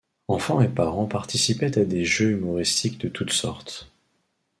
Enfants et parents participaient à des jeux humoristiques de toutes sortes.